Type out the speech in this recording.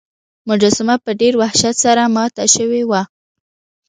مجسمه په ډیر وحشت سره ماته شوې وه.